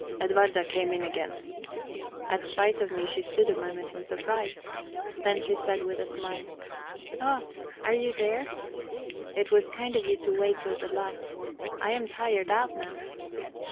Edwarda came in again. At sight of me she stood a moment in surprise; then she said with a smile: "Oh, are you there? It was kind of you to wait till the last. I am tired out now."